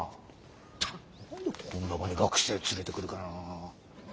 ったく何でこんな場に学生連れてくるかな。